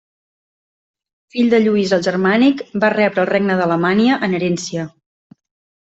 Fill de Lluís el Germànic, va rebre el regne d'Alamània en herència.